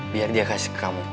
biar dia kasih kamu